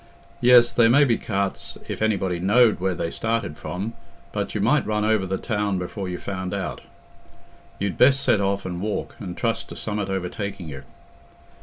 "Yes, there may be carts if anybody knowed where they started from; but you might run over the town before you found out. You'd best set off and walk, and trust to summat overtaking you."